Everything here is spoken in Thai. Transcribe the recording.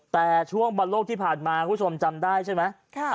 แต่ช่วงบอลโลกที่ผ่านมาคุณผู้ชมจำได้ใช่ไหม